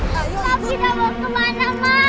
ma mama tidak mau kemana ma